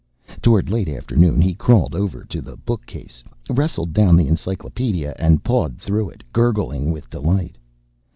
Toward late afternoon, he crawled over to the bookcase, wrestled down the encyclopedia and pawed through it, gurgling with delight.